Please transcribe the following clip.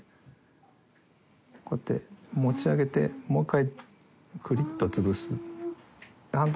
こうやって持ち上げてもう１回くりっと潰す。